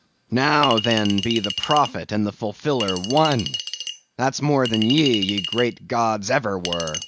Now, then, be the prophet and the fulfiller one. That's more than ye, ye great gods, ever were.